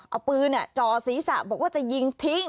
เอาปืนจ่อศีรษะบอกว่าจะยิงทิ้ง